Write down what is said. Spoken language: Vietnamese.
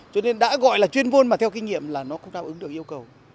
cho nên đã gọi là chuyên môn mà theo kinh nghiệm là nó không đáp ứng được yêu cầu